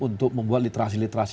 untuk membuat literasi literasi